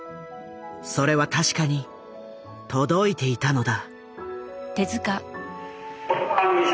それは確かに届いていたのだ。